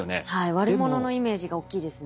悪者のイメージが大きいですね。